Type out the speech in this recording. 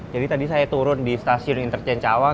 jadi tadi saya turun di stasiun intercane cawang